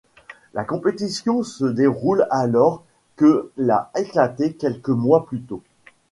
La compétition se déroule alors que l' a éclaté quelques mois plus tôt.